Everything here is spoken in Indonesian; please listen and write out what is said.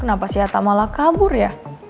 kenapa si atta malah kabur ya